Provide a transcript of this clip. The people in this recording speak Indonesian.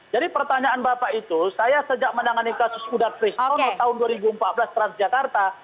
jadi pertanyaan bapak itu saya sejak menangani kasus udat frisco tahun dua ribu empat belas transjakarta